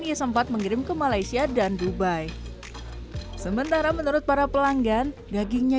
ia sempat mengirim ke malaysia dan dubai sementara menurut para pelanggan dagingnya